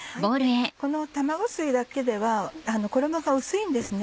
この卵水だけでは衣が薄いんですね。